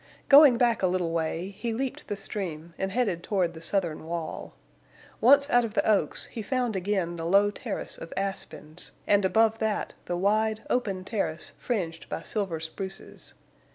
Going back a little way, he leaped the stream and headed toward the southern wall. Once out of the oaks he found again the low terrace of aspens, and above that the wide, open terrace fringed by silver spruces.